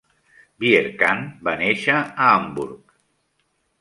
Vierkandt va néixer a Hamburg.